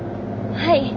はい。